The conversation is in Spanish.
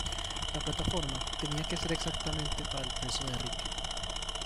La plataforma tenía que ser exactamente para el peso de Ric.